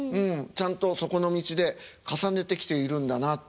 ちゃんとそこの道で重ねてきているんだなって。